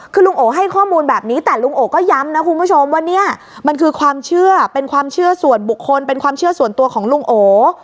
คือลุงโอให้ข้อมูลแบบนี้แต่ลุงโอก็ย้ำนะคุณผู้ชมว่าเนี่ยมันคือความเชื่อเป็นความเชื่อส่วนบุคคลเป็นความเชื่อส่วนตัวของลุงโอ